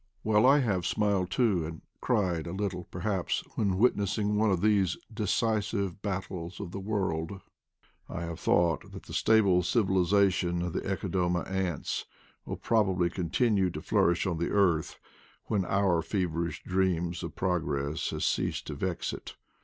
Well, I have smiled too, and cried a little, perhaps, when, wit nessing one of these "decisive battles of the world,' ' I have thought that the stable civilization of the CEcodoma ants will probably continue to* flourish on the earth when our feverish dream of progress has ceased to vex it.